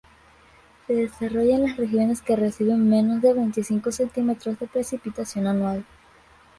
Se desarrolla en las regiones que reciben menos de veinticinco centímetros de precipitación anual.